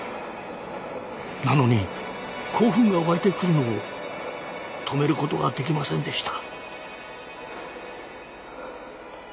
なのに興奮が沸いてくるのを止めることができませんでした。